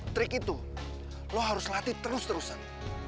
trik itu lo harus latih terus terusan